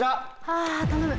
あ頼む！